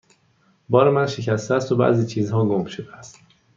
بار من شکسته است و بعضی چیزها گم شده است.